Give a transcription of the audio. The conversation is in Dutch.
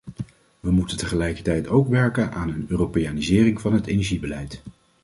We moeten tegelijkertijd ook werken aan een europeanisering van het energiebeleid.